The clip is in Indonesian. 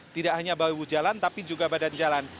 tidak hanya bahu jalan tapi juga badan jalan